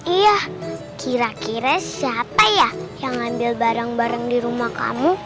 iya kira kira siapa ya yang ngambil barang barang di rumah kamu